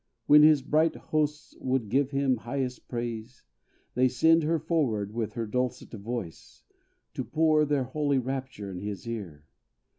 When his bright hosts would give him highest praise, They send her forward with her dulcet voice, To pour their holy rapture in his ear.